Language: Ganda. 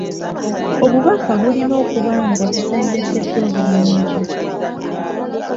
Obubaka bulina okuba nga busengekeddwa bulungi.